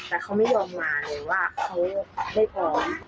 แต่เขาไม่ยอมมาเลยว่าเขาไม่พร้อม